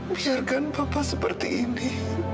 biarkan papa seperti ini